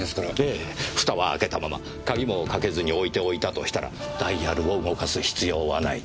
ええフタは開けたまま鍵もかけずに置いておいたとしたらダイヤルを動かす必要はない。